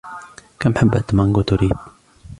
كم حبّة مانغو تريد ؟